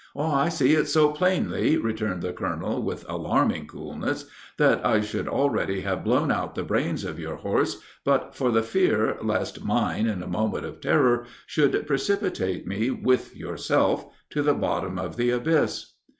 "'I see it so plainly,' returned the colonel, with alarming coolness, 'that I should already have blown out the brains of your horse, but for the fear lest mine, in a moment of terror, should precipitate me with yourself, to the bottom of the abyss.'"